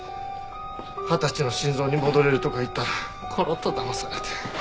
「二十歳の心臓に戻れる」とか言ったらコロッとだまされて。